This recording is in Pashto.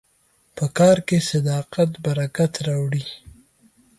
په کار کې صداقت برکت راوړي.